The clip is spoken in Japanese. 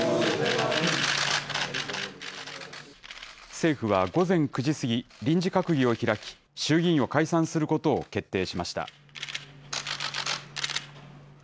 政府は午前９時過ぎ、臨時閣議を開き、衆議院を解散することを決定しました。